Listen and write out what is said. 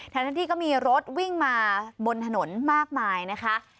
ทั้งที่ก็มีรถวิ่งมาบนถนนมากมายนะคะ